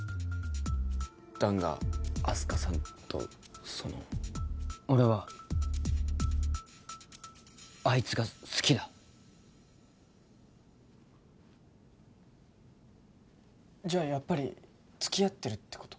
弾があす花さんとその俺はあいつが好きだじゃあやっぱりつきあってるってこと？